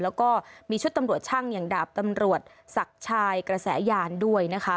แล้วก็มีชุดตำรวจช่างอย่างดาบตำรวจศักดิ์ชายกระแสยานด้วยนะคะ